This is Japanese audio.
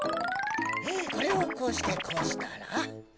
これをこうしてこうしたら。